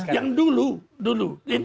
yang dulu dulu